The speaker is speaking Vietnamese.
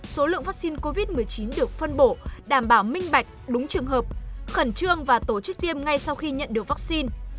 số lượng vaccine covid một mươi chín được phân bổ đảm bảo minh bạch đúng trường hợp khẩn trương và tổ chức tiêm ngay sau khi nhận được vaccine